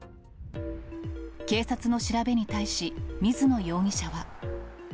警察の調べに対し、水野容疑者は。